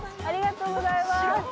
ありがとうございます。